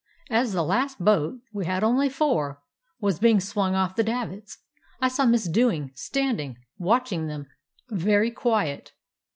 "As the last boat — we had only four — was being swung off the davits, I saw Miss Dewing standing watching them, very quiet.